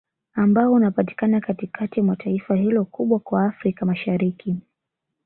Ambao unapatikana Katikati mwa taifa hilo kubwa kwa Afrika Mashariki